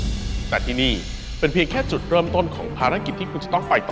แต่ที่นี่เป็นเพียงแค่จุดเริ่มต้นของภารกิจที่คุณจะต้องไปต่อ